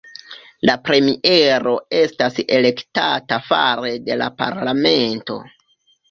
La premiero estas elektata fare de la parlamento.